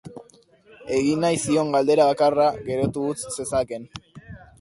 Egin nahi zion galdera bakarra geroko utz zezakeen...